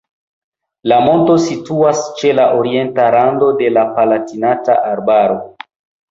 La monto situas ĉe la orienta rando de la Palatinata Arbaro.